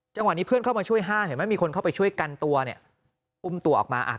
นี้เพื่อนเข้ามาช่วยห้ามเห็นไหมมีคนเข้าไปช่วยกันตัวเนี่ยอุ้มตัวออกมาอ่ะ